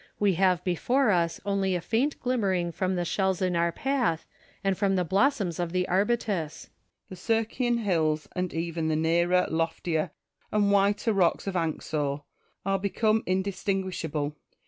We have before us only a faint glimmering from the shells in our path, and from the blossoms of the arbutus. Marcus. The Circean hills, and even the nearer, loftier, and whiter rocks of Anxur, are become indistinguishable.